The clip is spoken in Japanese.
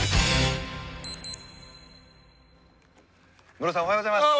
ムロさんおはようございます。